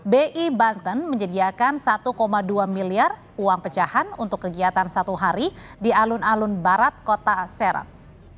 bi banten menyediakan satu dua miliar uang pecahan untuk kegiatan satu hari di alun alun barat kota serang